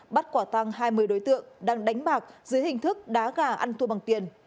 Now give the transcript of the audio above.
bắt quả tăng hai mươi đối tượng đang đánh bạc dưới hình thức đá gà ăn thua bằng tiền